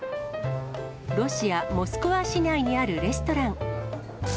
ロシア・モスクワ市内にあるレストラン。